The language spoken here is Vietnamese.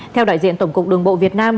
theo đại diện tổng cục đường bộ việt nam